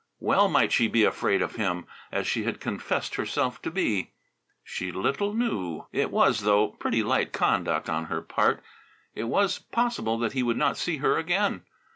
Well might she be afraid of him, as she had confessed herself to be. She little knew! It was, though, pretty light conduct on her part. It was possible that he would not see her again.